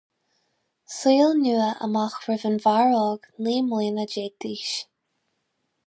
Saol nua amach roimh an bhfear óg naoi mbliana déag d'aois.